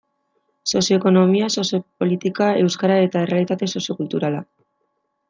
Sozio-ekonomia, sozio-politika, euskara eta errealitate sozio-kulturala.